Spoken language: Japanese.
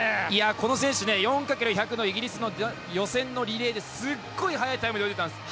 この選手、４×１００のイギリスの予選のリレーですごい速いタイムで泳いでいたんです。